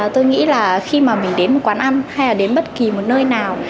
tôi nghĩ là khi mà mình đến một quán ăn hay là đến bất kỳ một nơi nào